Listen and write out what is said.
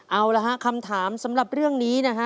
เอาละฮะคำถามสำหรับเรื่องนี้นะฮะ